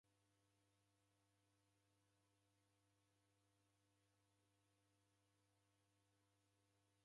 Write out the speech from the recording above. W'alindiri w'aw'esisitiza ni suti kukaiya na sere.